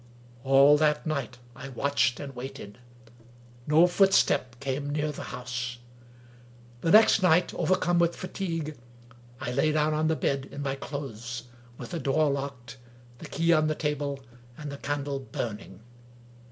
All that night I watched and waited. No footstep came near the house. The next night, overcome with fatigue, I lay down on the bed in my clothes, with the door locked, the key on the table, and the candle burning.